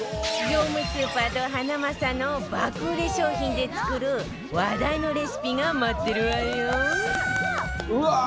業務スーパーとハナマサの爆売れ商品で作る話題のレシピが待ってるわよ